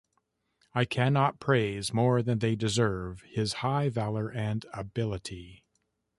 I can not praise more than they deserve his high valor and ability.